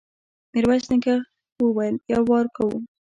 ميرويس نيکه وويل: يو وار کوو.